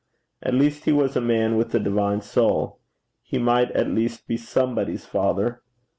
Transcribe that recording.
At least he was a man with a divine soul. He might at least be somebody's father.